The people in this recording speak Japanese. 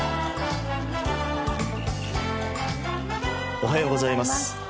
おはようございます。